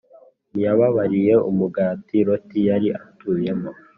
Ntiyababariye umugi Loti yari atuyemo,